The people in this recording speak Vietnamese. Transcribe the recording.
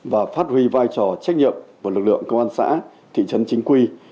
và phát huy vai trò trách nhiệm của lực lượng công an xã thị trấn chính quy